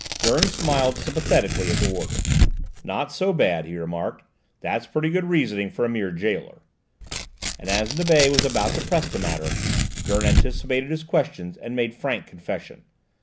Gurn smiled sympathetically at the warder. "Not so bad!" he remarked; "that's pretty good reasoning for a mere gaoler." And as Nibet was about to press the matter, Gurn anticipated his questions, and made frank confession.